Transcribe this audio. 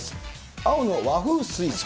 青の和風スイーツか。